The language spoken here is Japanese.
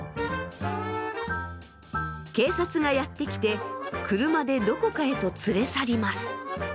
警察がやって来て車でどこかへと連れ去ります。